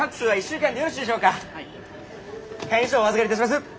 会員証お預かりいたします！